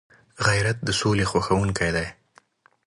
غیرت د سولي خوښونکی دی